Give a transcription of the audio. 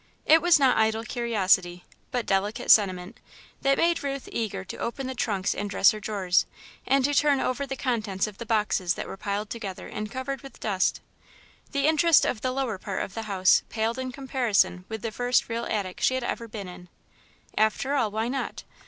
It was not idle curiosity, but delicate sentiment, that made Ruth eager to open the trunks and dresser drawers, and to turn over the contents of the boxes that were piled together and covered with dust. The interest of the lower part of the house paled in comparison with the first real attic she had ever been in. After all, why not?